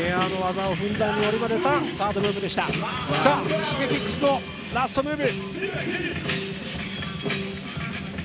Ｓｈｉｇｅｋｉｘのラストムーブ！